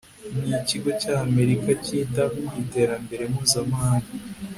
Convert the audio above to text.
n ikigo cy amerika cyita ku iterambere mpuzamahanga